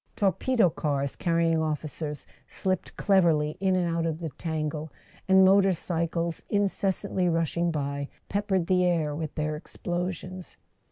Torpedo cars carrying officers slipped cleverly in and out of the tangle, and motor cycles, incessantly rushing by, peppered the air with their explosions.